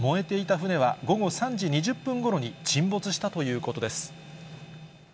船は午後３時２０分ごろに沈没したということです。